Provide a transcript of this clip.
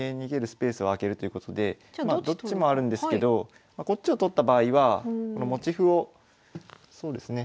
スペースを開けるということでどっちもあるんですけどこっちを取った場合はこの持ち歩をそうですね